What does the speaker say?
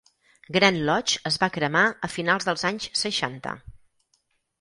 Glen Lodge es va cremar a finals dels anys seixanta.